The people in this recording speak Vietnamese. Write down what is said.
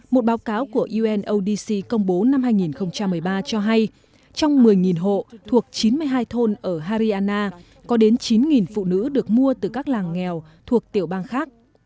một báo cáo của unodc công bố năm hai nghìn một mươi ba cho hay trong một mươi hộ thuộc chín mươi hai thôn ở hariana có đến chín phụ nữ được mua từ các làng nghèo thuộc tiểu bang khác